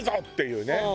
っていうね。